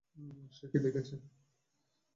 সে কি দেখছে?